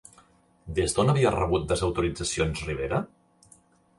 Des d'on havia rebut desautoritzacions Rivera?